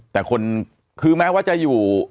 แต่คนคือแม้ว่าจะอยู่